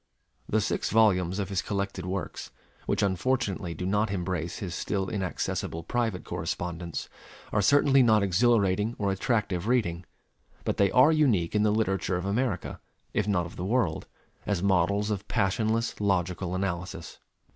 The six volumes of his collected works, which unfortunately do not embrace his still inaccessible private correspondence, are certainly not exhilarating or attractive reading; but they are unique in the literature of America, if not of the world, as models of passionless logical analysis.